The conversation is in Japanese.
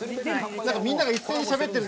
みんながいっせいにしゃべってる。